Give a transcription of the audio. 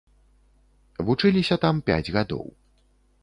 Вучыліся там пяць гадоў.